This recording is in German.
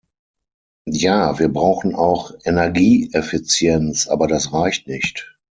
Ja, wir brauchen auch Energieeffizienz, aber das reicht nicht.